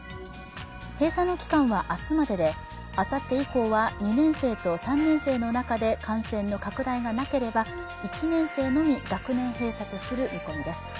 閉鎖の期間は明日までであさって以降は２年生と３年生の中で感染の拡大がなければ、１年生のみ学年閉鎖とする見込みです。